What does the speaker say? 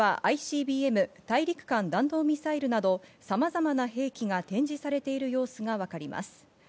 写真ではＩＣＢＭ＝大陸間弾道ミサイルなどさまざまな兵器が展示されている様子がわかります。